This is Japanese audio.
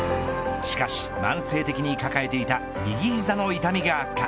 しかし慢性的に抱えていた右膝の痛みが悪化。